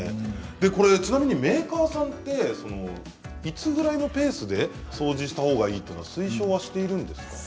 でこれちなみにメーカーさんっていつぐらいのペースで掃除したほうがいいってのは推奨はしているんですか？